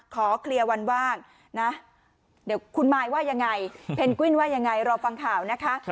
ขอเคลียร์วันว่างนะเดี๋ยวคุณมายว่ายังไงเพนกวินว่ายังไงรอฟังข่าวนะคะ